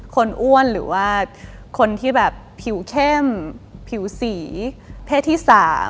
อ้วนหรือว่าคนที่แบบผิวเข้มผิวสีเพศที่๓